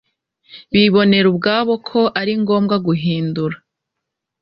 bibonera ubwabo ko ari ngombwa guhindura